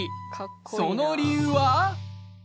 その理由は？